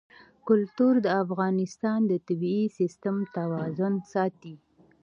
کلتور د افغانستان د طبعي سیسټم توازن ساتي.